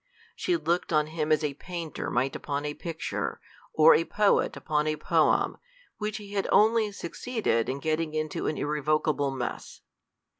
She looked on him as a painter might upon a picture, or a poet upon a poem, which he had only succeeded in getting into an irrecoverable mess.